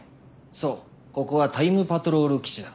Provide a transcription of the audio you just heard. そうここはタイムパトロール基地だ。